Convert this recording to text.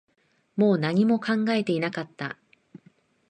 もう何も考えていなかった